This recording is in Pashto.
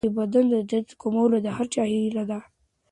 د بدو عادتونو کمول د هر چا هیله ده.